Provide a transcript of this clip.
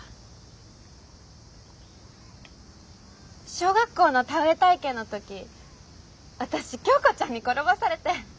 小学校の田植え体験の時私清子ちゃんに転ばされて。